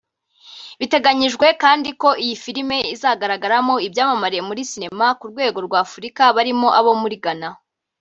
Biteganyijwe kandi ko iyi filime izagaragaramo ibyamamare muri sinema ku rwego rwa Afurika barimo abo muri Ghana